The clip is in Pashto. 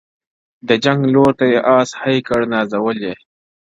د جنګ لور ته یې آس هی کړ نازولی -